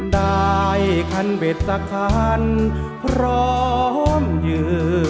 ได้คันเบ็ดสักคันพร้อมยืน